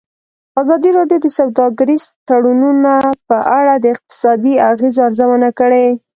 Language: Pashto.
ازادي راډیو د سوداګریز تړونونه په اړه د اقتصادي اغېزو ارزونه کړې.